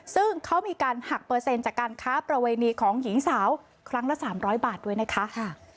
ซึ่งเขามีการหักเปอร์เซ็นต์จากการค้าประเวณีของหญิงสาวครั้งละ๓๐๐บาทด้วยนะคะ